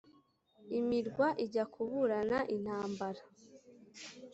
imirwa ijya kuburana intambara,